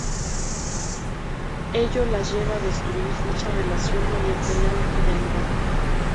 Ello las lleva a destruir dicha relación mediante la infidelidad.